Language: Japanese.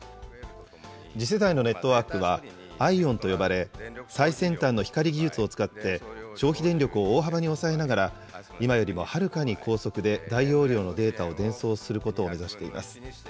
次世代のネットワークはＩＯＷＮと呼ばれ、最先端の光技術を使って、消費電力を大幅に抑えながら、今よりもはるかに高速で大容量のデータを伝送することを目指しています。